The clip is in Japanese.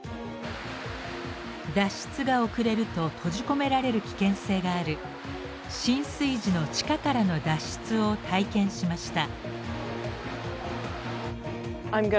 脱出が遅れると閉じ込められる危険性がある浸水時の地下からの脱出を体験しました。